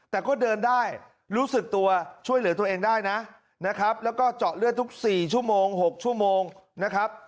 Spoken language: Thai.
แต่ก็เดินได้รู้สึกตัวช่วยเหลือตัวเองได้นะนะครับแล้วก็เจาะเลือดทุก๔ชั่วโมง๖ชั่วโมงนะครับ